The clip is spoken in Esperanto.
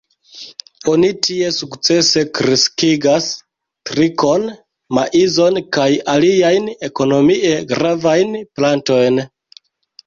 Oni tie sukcese kreskigas tritikon, maizon kaj aliajn ekonomie gravajn plantojn.